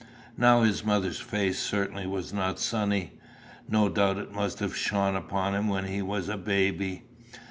Now his mother's face certainly was not sunny. No doubt it must have shone upon him when he was a baby.